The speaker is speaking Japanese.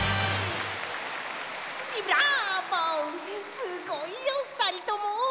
すごいよふたりとも！